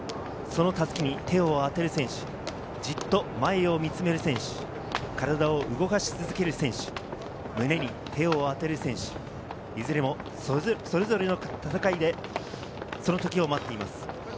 その襷に手を当てる選手、じっと前を見つめる選手、体を動かし続ける選手、胸に手を当てる選手、いずれもそれぞれの戦いで、その時を待っています。